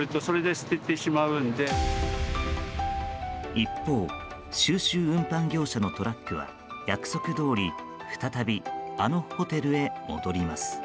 一方収集運搬業者のトラックは約束どおり、再びあのホテルへ戻ります。